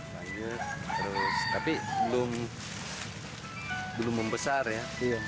lanjut terus tapi belum membesar ya